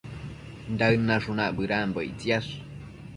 Daëd nashunac bëdanbo ictsiash